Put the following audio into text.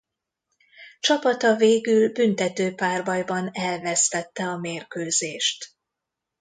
Csapata végül büntetőpárbajban elvesztette a mérkőzést.